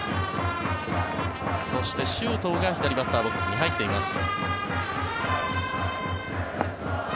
そして周東が左バッターボックスに入っています。